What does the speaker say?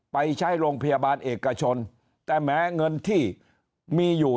ไปใช้โรงพยาบาลเอกชนแต่แม้เงินที่มีอยู่